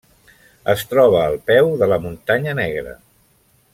Es troba al peu de la Muntanya Negra.